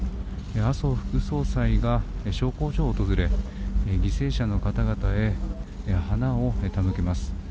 麻生副総裁が焼香所を訪れ犠牲者の方々へ花を手向けます。